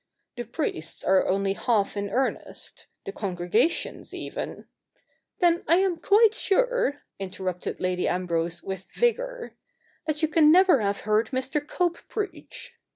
The priests are only half in earnest ; the congregations, even '' Then I am quite sure,' interrupted Lady Ambrose with vigour, ' that you can never have heard Mr. Cope preach.'